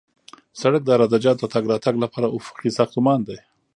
سړک د عراده جاتو د تګ راتګ لپاره افقي ساختمان دی